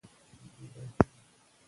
څنګه ښوونکی درس تشریح کوي؟